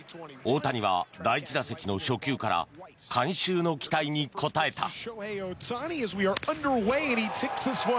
大谷は第１打席の初球から観衆の期待に応えた。